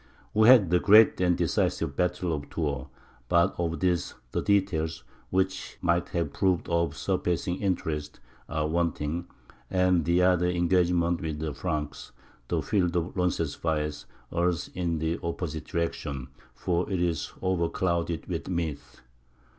We had the great and decisive battle of Tours, but of this the details, which might have proved of surpassing interest, are wanting; and the other engagement with the Franks, the field of Roncesvalles, errs in the opposite direction, for it is overclouded with myth.